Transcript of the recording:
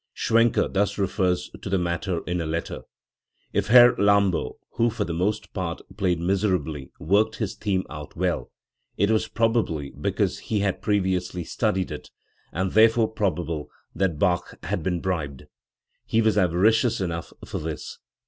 Schwencke thus refers to the matter in a letter: "If Herr Lambo, who for the most part played miserably, worked his theme out well, it was pro bably because he had previously studied it, and therefore probable that Bach had been bribed. He was avaricious enough for this."